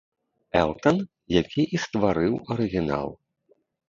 Элтан, які і стварыў арыгінал.